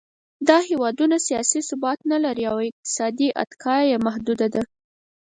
دا هېوادونه سیاسي ثبات نهلري او اقتصادي اتکا یې محدوده ده.